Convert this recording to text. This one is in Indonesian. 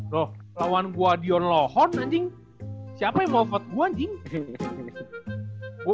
loh lawan gua dion lohorn anjing siapa yang mau vote gua anjing